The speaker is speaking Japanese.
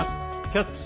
「キャッチ！